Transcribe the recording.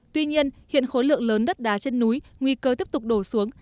tuy nhiên hiện khối lượng lớn đất đá trên núi nguy cơ tiếp tục đổ xuống